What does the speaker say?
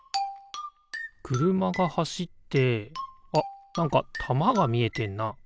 くるまがはしってあっなんかたまがみえてんな。